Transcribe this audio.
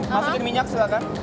masukin minyak silahkan